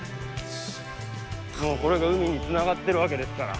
もうこれが海につながってるわけですから。